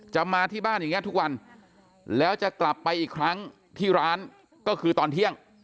มาที่บ้านอย่างนี้ทุกวันแล้วจะกลับไปอีกครั้งที่ร้านก็คือตอนเที่ยง